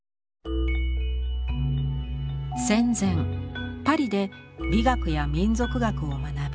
戦前パリで美学や民族学を学び